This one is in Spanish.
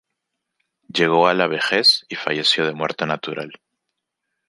Llegó a la vejez y falleció de muerte natural.